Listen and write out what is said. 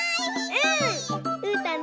うん！